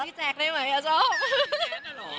พี่แจ๊คได้ไหมอ่าชอบ